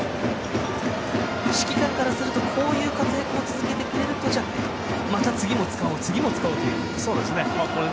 指揮官からするとこういう活躍を続けてくれるとまた次も使おうという。